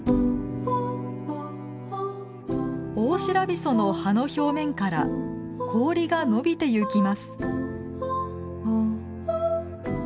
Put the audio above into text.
オオシラビソの葉の表面から氷が伸びてゆきます。